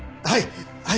はい！